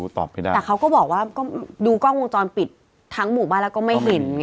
แต่สิ่งเขาก็เรียกว่าว่าดูกล้องวงจรปิดทั้งหมู่บ้านแล้วก็ไม่เห็น